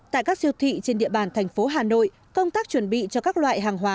tại các siêu thị trên địa bàn thành phố hà nội công tác chuẩn bị cho các loại hàng hóa